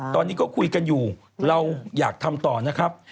ตอนนี้ก็คุยกันอยู่เราอยากทำต่อนะครับ